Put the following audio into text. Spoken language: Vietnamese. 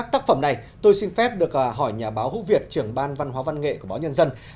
tác phẩm này tôi xin phép được hỏi nhà báo hữu việt trưởng ban văn hóa văn nghệ của báo nhân dân